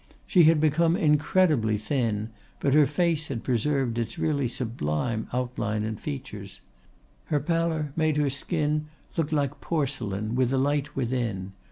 She had become incredibly thin, but her face had preserved its really sublime outline and features. Her pallor made her skin look like porcelain with a light within.